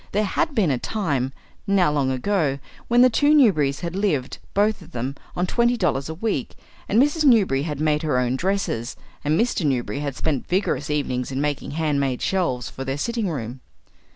There had been a time, now long ago, when the two Newberrys had lived, both of them, on twenty dollars a week, and Mrs. Newberry had made her own dresses, and Mr. Newberry had spent vigorous evenings in making hand made shelves for their sitting room.